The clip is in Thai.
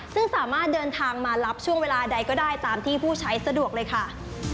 ซึ่งสามารถเดินทางมารับช่วงเวลาใดก็ได้ตามที่ผู้ใช้สะดวกเลยค่ะ